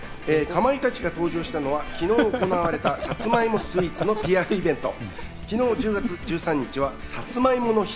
かまいたちが登場したのは、さつまいもスイーツのＰＲイベント。